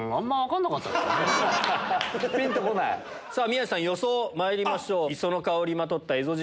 宮治さん予想まいりましょう。